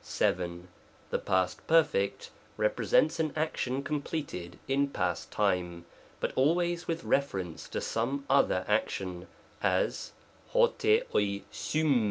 Y. The P. Perfect represents an action completed in past time, but always with reference to some other ac tion; as, OTt oi 6vfj.